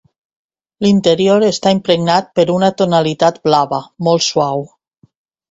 L'interior està impregnat per una tonalitat blava, molt suau.